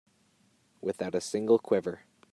Without a single quiver.